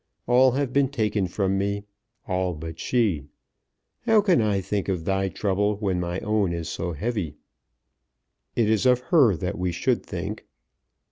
All have been taken from me; all but she. How can I think of thy trouble when my own is so heavy?" "It is of her that we should think."